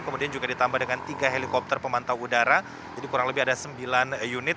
kemudian juga ditambah dengan tiga helikopter pemantau udara jadi kurang lebih ada sembilan unit